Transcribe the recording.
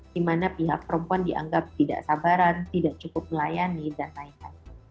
di mana pihak perempuan dianggap tidak sabaran tidak cukup melayani dan lain lain